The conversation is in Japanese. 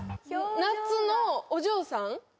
「夏のお嬢さん」？